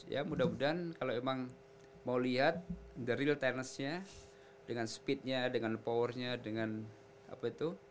ya mudah mudahan kalau memang mau lihat the real tenisnya dengan speednya dengan powernya dengan apa itu